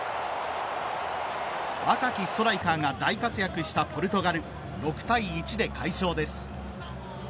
若きストライカーが大活躍したポルトガル、６対１で快勝です。